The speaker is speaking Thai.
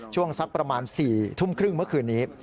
ช่วงสักประมาณ๔ทุ่มครึ่งเมื่อคืนนี้